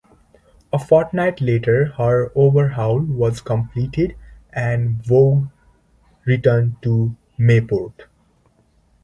A fortnight later, her overhaul was completed, and "Voge" returned to Mayport.